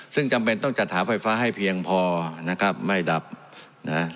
ซึ่งจำเป็นต้องจัดหาไฟฟ้าให้เพียงพอนะครับไม่ดับนะ